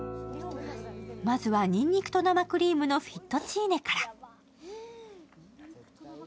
まずは、にんにくと生クリームのフィットチーネから。